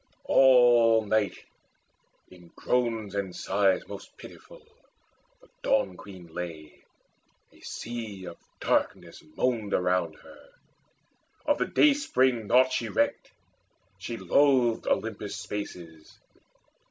All night in groans and sighs most pitiful The Dawn queen lay: a sea of darkness moaned Around her. Of the dayspring nought she recked: She loathed Olympus' spaces.